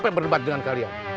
saya sampe berebat dengan kalian